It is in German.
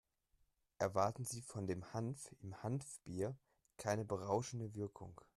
Erwarten Sie von dem Hanf im Hanfbier keine berauschende Wirkung.